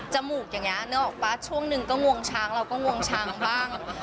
มูกอย่างนี้นึกออกป่ะช่วงหนึ่งก็งวงช้างเราก็งวงช้างบ้าง